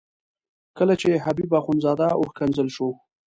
کله چې حبیب اخندزاده وښکنځل شو.